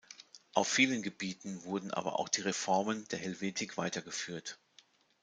Auf vielen Gebieten wurden aber auch die Reformen der Helvetik weitergeführt.